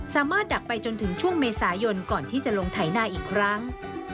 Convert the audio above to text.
ดักไปจนถึงช่วงเมษายนก่อนที่จะลงไถนาอีกครั้ง